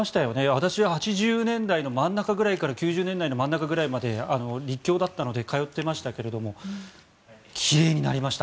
私、８０年代の真ん中ぐらいから９０年代の真ん中ぐらいまで立教だったので通ってましたが奇麗になりました。